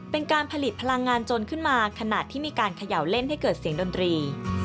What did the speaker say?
เป็นการผลิตพลังงานจนขึ้นมาขณะที่มีการเขย่าเล่นให้เกิดเสียงดนตรี